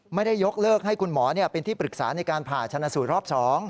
ไม่ได้ยกเลิกให้คุณหมอเป็นที่ปรึกษาในการผ่าชนะสูตรรอบ๒